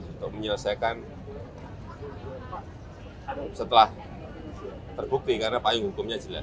untuk menyelesaikan setelah terbukti karena payung hukumnya jelas